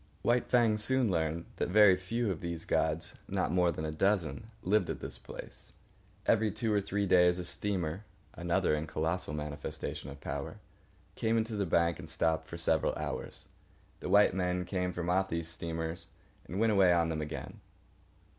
White Fang soon learned that very few of these gods—not more than a dozen—lived at this place. Every two or three days a steamer (another and colossal manifestation of power) came into the bank and stopped for several hours. The white men came from off these steamers and went away on them again.